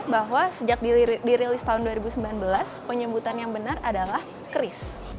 bahwa sejak dirilis tahun dua ribu sembilan belas penyebutan yang benar adalah kris